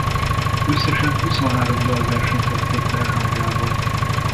Összesen huszonhárom dal versenyzett Koppenhágában.